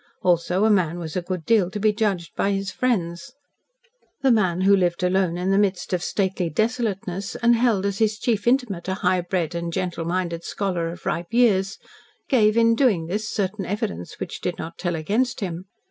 Also, a man was a good deal to be judged by his friends. The man who lived alone in the midst of stately desolateness and held as his chief intimate a high bred and gentle minded scholar of ripe years, gave, in doing this, certain evidence which did not tell against him.